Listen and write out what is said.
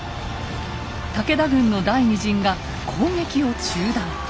武田軍の第２陣が攻撃を中断。